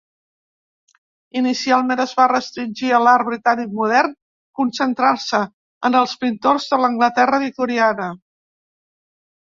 Inicialment es va restringir a l'art britànic modern, concentrant-se en els pintors de l'Anglaterra victoriana.